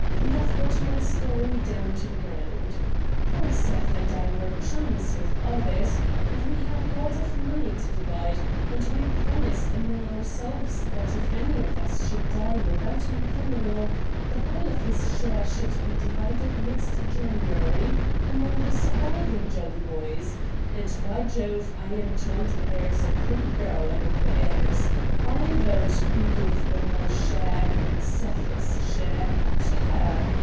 You have got my story down to the ground. Poor Seth and I were chums, with others — and we had a lot of money to MR. RATT GUNDY 123 divide, and we promised among ourselves that if any of us should die without making a will the whole of his share should be divided next January among the surviving jolly boys ; and, by Jove, I am told there's a pretty girl among the heirs ! I vote we give the whole share — Seth's share — to her.